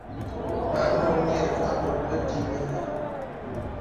Mə anɔk nyìrìk a bɔk məbì mənə.